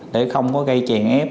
để không có gây chèn ép